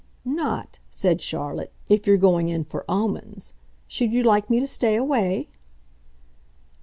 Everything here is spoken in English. "Not," said Charlotte, "if you're going in for 'omens.' Should you like me to stay away?"